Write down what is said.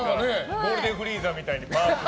ゴールデンフリーザみたいで。